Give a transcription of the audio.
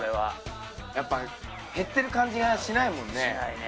やっぱ減ってる感じがしないもんね。